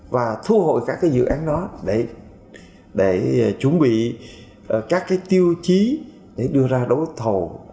và thu hội các dự án đó để chuẩn bị các tiêu chí để đưa ra đấu thầu